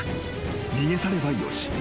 逃げ去ればよし］